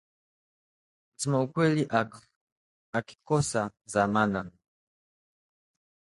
Msemakweli akikosa dhamana